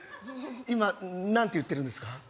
今何て言ってるんですか？